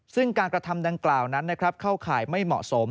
ซึ่งการกระทำดังกล่าวนั้นเข้าข่ายไม่เหมาะสม